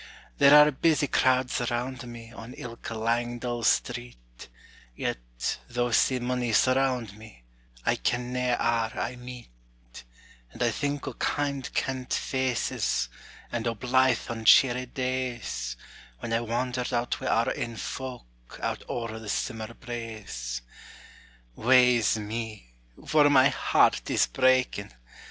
There are busy crowds around me, On ilka lang dull street; Yet, though sae mony surround me, I ken na are I meet: And I think o' kind kent faces, And o' blithe an' cheery days, When I wandered out wi' our ain folk, Out owre the simmer braes. Waes me, for my heart is breaking!